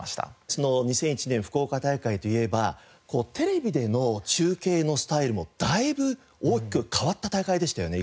その２００１年福岡大会といえばテレビでの中継のスタイルもだいぶ大きく変わった大会でしたよね？